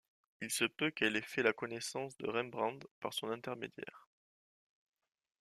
Il se peut qu'elle ait fait la connaissance de Rembrandt par son intermédiaire.